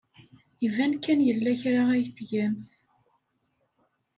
Iban kan yella kra ay tgamt.